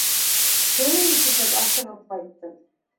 — Шуны ишетеп ашығып ҡайттым.